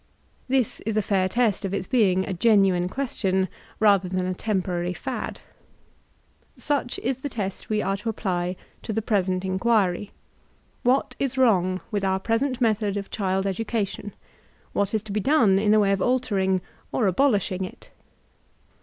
This is a fair test of its being a genuine question, rather than a temporary fad. Such b the test we are to apply to the present inquiry, What b wrong with our present method of Child Education? What b to be done in the way of altering or abolbhing it?